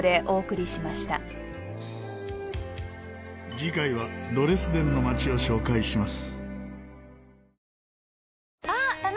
次回はドレスデンの街を紹介します。